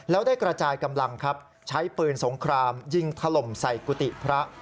แล้วได้กระจายกำลังครับใช้ปืนสงครามยิงถล่มใส่กุฏิพระ